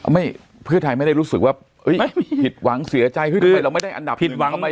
ไม่พระเทพไม่ได้รู้สึกว่าพิทธิหวังเสียใจเราไม่ได้อันดับหนึ่ง